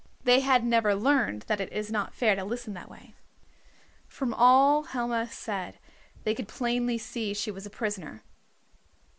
They had never learned that it is not fair to listen that way. From all Helma said they could plainly see she was a prisoner.